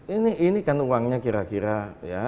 ini kan uangnya kira kira ya